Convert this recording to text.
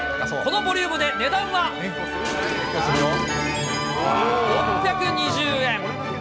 このボリュームで値段は、６２０円。